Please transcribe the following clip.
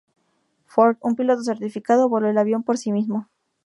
Ford, un piloto certificado, voló el avión por sí mismo.